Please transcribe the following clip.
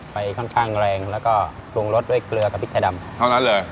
ไปค่อนข้างแรงแล้วก็ปรุงรสด้วยเกลือกับพริกไทยดำเท่านั้นเลย